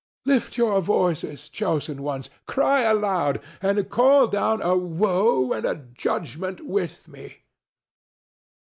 Lift your voices, chosen ones, cry aloud, and call down a woe and a judgment with me!"